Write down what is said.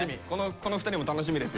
この２人も楽しみですよ。